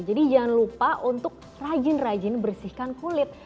jadi jangan lupa untuk rajin rajin bersihkan kulit